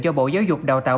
do bộ giáo dục đào tạo